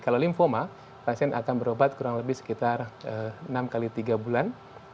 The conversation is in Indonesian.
kalau lymphoma pasien akan berobat kurang lebih sekitar enam x tiga bulan